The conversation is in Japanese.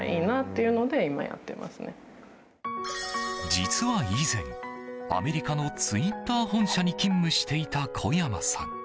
実は以前アメリカのツイッター本社に勤務していた小山さん。